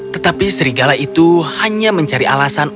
tetapi serigala itu hanya mencari alasan